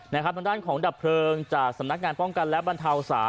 นะครับตรงด้านของดับเพลิงจากสำนักงานป้องกันและบรรทาวสา